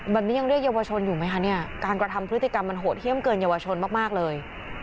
แบบนี้ยังเรียกเยาวชนอยู่ไหมคะเนี่ยการกระทำพฤติกรรมมันโหดเยี่ยมเกินเยาวชนมากเลย